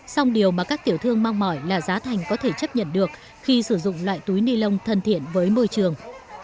song điều mà các tiểu thương mong mỏi là giá thành có thể chấp nhận được khi sử dụng loại túi ni lông thân thiện với môi trường